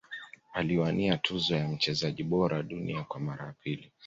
aliwania tuzo ya mchezaji bora wa dunia kwa mara mbili